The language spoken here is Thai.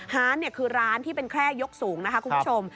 คือร้านที่เป็นแคร่ยกสูงนะคะคุณผู้ชม